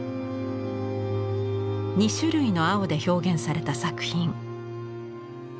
２種類の青で表現された作品。